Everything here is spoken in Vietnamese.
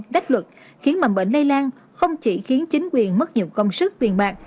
đắc luật khiến mạng bệnh lây lan không chỉ khiến chính quyền mất nhiều công sức viền bạc